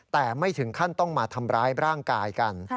แต่ไม่ถึงขั้นต้องมาทำร้ายร่างกายกัน